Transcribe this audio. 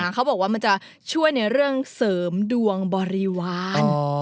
เขาบอกว่ามันจะช่วยในเรื่องเสริมดวงบริวาร